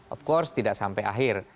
of course tidak sampai akhir